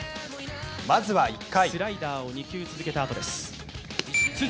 まずは１回。